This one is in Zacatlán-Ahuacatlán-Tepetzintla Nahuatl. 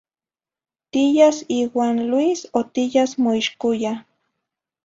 Tiyas iuah n Luis o tiyas moixcuya?